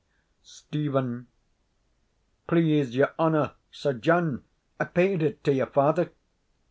Stephen. Please your honour, Sir John, I paid it to your father.